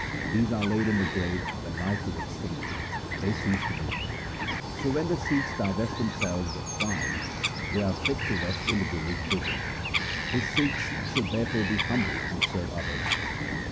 These are laid in the grave when life is extinct, and they cease to move. So when the Sikhs divest themselves of pride, they are fit to rest in the Guru's bosom. His Sikhs should therefore be humble and serve others.